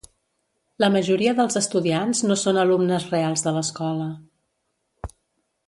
La majoria dels estudiants no són alumnes reals de l'escola.